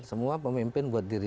semua pemimpin buat diri